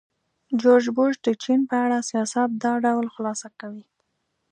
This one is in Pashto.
جورج بوش د چین په اړه سیاست دا ډول خلاصه کوي.